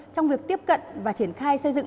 trong việc tiếp cận và triển khai xây dựng